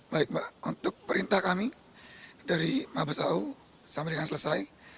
baik mbak untuk perintah kami dari mabes au sampai dengan selesai